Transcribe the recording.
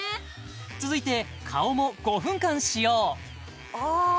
続いて顔も５分間使用あ